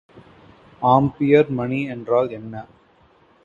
Ampere மணி என்றால் என்ன?